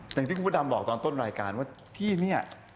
อย่างที่คุณพระดำบอกตอนต้นรายการว่าที่นี่